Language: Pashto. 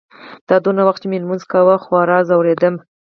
دا دونه وخت چې مې لمونځ کاوه خورا ځورېدم.